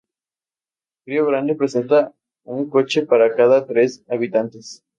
Río Grande presenta un coche para cada tres habitantes.